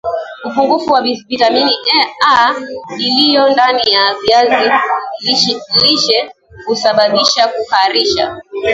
upungufu wa vitamini A iliyo ndani ya viazi lishe husababisha kuharisha